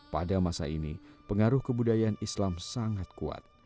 pada masa ini pengaruh kebudayaan islam sangat kuat